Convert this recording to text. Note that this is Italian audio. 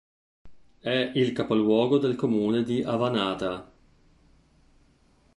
È il capoluogo del comune di Avannaata.